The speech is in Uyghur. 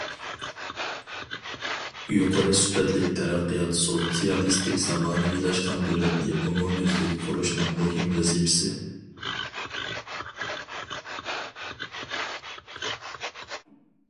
يۇقىرى سۈپەتلىك تەرەققىيات سوتسىيالىستىك زامانىۋىلاشقان دۆلەتنى ئومۇميۈزلۈك قۇرۇشنىڭ مۇھىم ۋەزىپىسى.